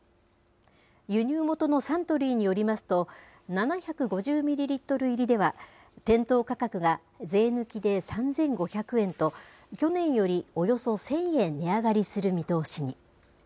輸入元のサントリーによりますと、７５０ミリリットル入りでは、店頭価格が税抜きで３５００円と、去年よりおよそ１０００円値上がりする見通しに。